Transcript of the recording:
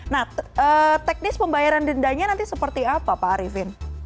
nah teknis pembayaran dendanya nanti seperti apa pak arifin